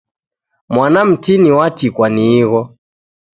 Mwana mtini watikwa ni igho.